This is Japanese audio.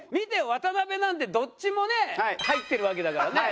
渡邊なんてどっちもね入ってるわけだからね。